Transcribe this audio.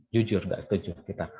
jujur nggak setuju kita